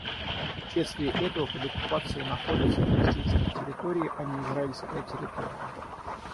Вследствие этого под оккупацией находятся палестинские территории, а не израильская территория.